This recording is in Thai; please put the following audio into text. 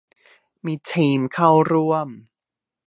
มีทีมที่เข้าร่วม